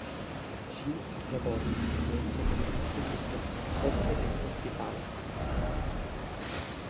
Ŝi eklaboris komence en instituto, poste en hospitalo.